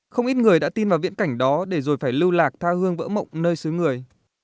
không ít người đã tin vào viễn cảnh đó để rồi phải lưu lạc tha hương vỡ mộng nơi xứ người